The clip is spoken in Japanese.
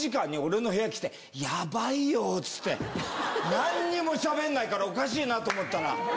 何にもしゃべんないからおかしいなと思ったら。